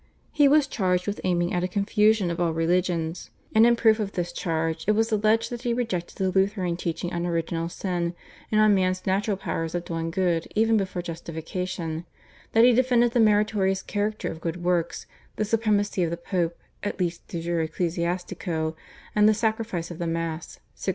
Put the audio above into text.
He was charged with aiming at a confusion of all religions, and in proof of this charge it was alleged that he rejected the Lutheran teaching on Original Sin and on man's natural powers of doing good even before justification, that he defended the meritorious character of good works, the supremacy of the Pope, at least /de jure ecclesiastico/, and the sacrifice of the Mass (1639).